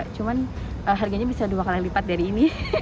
cuma harganya bisa dua kali lipat dari ini